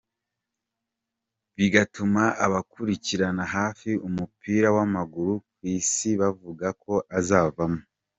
bigatuma abakurikiranira hafi umupira wamaguru ku isi bavuga ko azavamo.